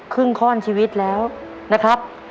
ครึ่งข้อนชีวิตแล้วนะครับ